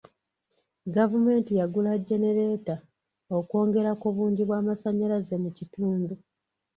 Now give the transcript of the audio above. Gavumenti yagula genereeta okwongera ku bungi bw'amasanyalaze mu kitundu.